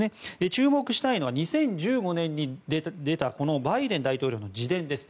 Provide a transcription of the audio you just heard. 注目したいのは２０１５年に出たこのバイデン大統領の自伝です。